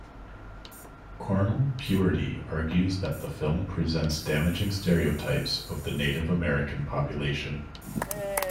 Cornel Pewewardy argues that the film presents damaging stereotypes of the Native American population.